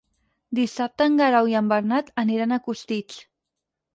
Dissabte en Guerau i en Bernat aniran a Costitx.